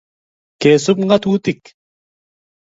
kesup ngatutik